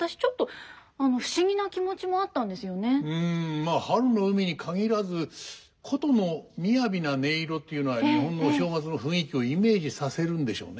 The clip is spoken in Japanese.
まあ「春の海」に限らず箏のみやびな音色というのは日本のお正月の雰囲気をイメージさせるんでしょうね。